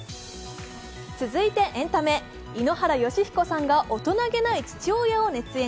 続いてエンタメ、井ノ原快彦さんが大人げない父親を熱演。